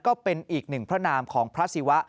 ก็เป็นอีก๑พระนามของพระสิวะ